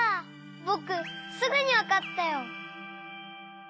ぼくすぐにわかったよ！